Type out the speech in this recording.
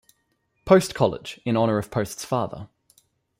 Post College in honor of Post's father.